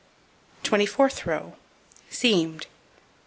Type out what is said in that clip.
Twenty fourth row: Seamed.